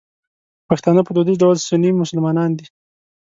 پښتانه په دودیز ډول سني مسلمانان دي.